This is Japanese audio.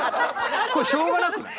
これしょうがなくない？